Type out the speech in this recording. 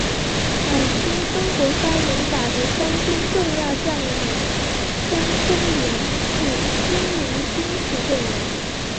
晚清曾国藩领导的湘军重要将领江忠源是新宁金石镇人。